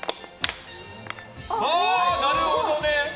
なるほどね。